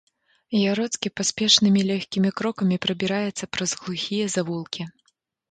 Яроцкі паспешнымі лёгкімі крокамі прабіраецца праз глухія завулкі.